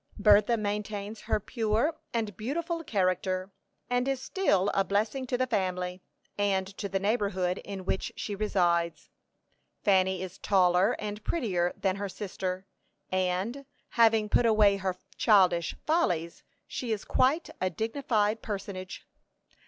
Bertha maintains her pure and beautiful character, and is still a blessing to the family, and to the neighborhood in which she resides. Fanny is taller and prettier than her sister; and, having put away her childish follies, she is quite a dignified personage.